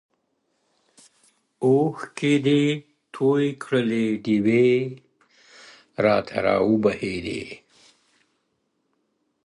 اوښکي دې توی کړلې ډېوې. راته راوبهيدې.